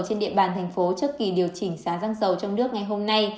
trên địa bàn thành phố trước kỳ điều chỉnh giá xăng dầu trong nước ngày hôm nay